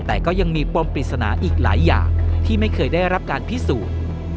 แต่ก็ยังมีปมปริศนาอีกหลายอย่างที่ไม่เคยได้รับการพิสูจน์